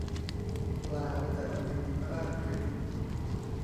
ปลาจะละเม็ดราดพริก